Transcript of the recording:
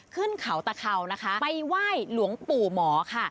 ขึ้นเขาตะเข่านะคะไปไหว้หลวงปู่หมอค่ะ